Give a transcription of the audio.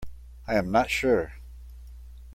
I am not sure.